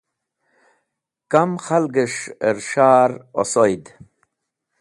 Kam khalgẽs̃h ẽr s̃har osoyẽd